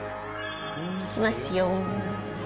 いきますよ。